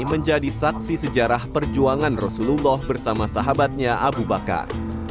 menjadi saksi sejarah perjuangan rasulullah bersama sahabatnya abu bakar